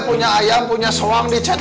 punya ayam punya suam dicat